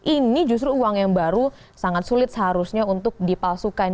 ini justru uang yang baru sangat sulit seharusnya untuk dipalsukan